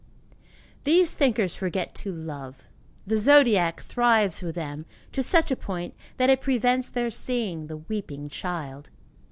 These thinkers forget to love. The zodiac thrives with them to such a point that it prevents their seeing the weeping child.